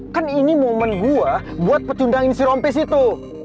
kan ini momen gue buat pecundangin si rompes itu